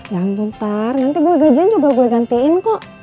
ya ampun tar nanti gue gajian juga gue gantiin kok